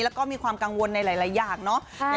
แล้วก็มีความกังวลในหลายอย่างเนอะ